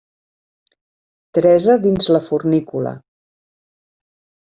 Teresa dins la fornícula.